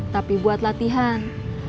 tapi buat latihan